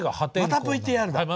またＶＴＲだ！